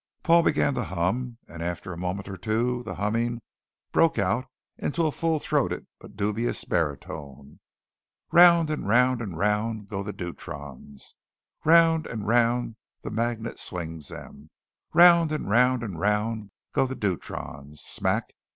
Paul began to hum, and after a moment or two the humming broke out into a full throated, but dubious baritone: "_Round and round and round go the deuterons Round and round the magnet swings 'em Round and round and round go the deuterons SMACK!